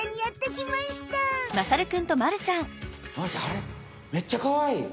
えっめっちゃかわいい！